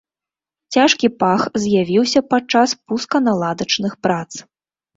Цяжкі пах з'явіўся падчас пусканаладачных прац.